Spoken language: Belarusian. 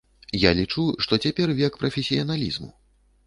Я лічу, што цяпер век прафесіяналізму.